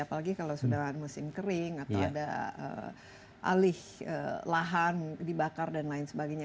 apalagi kalau sudah musim kering atau ada alih lahan dibakar dan lain sebagainya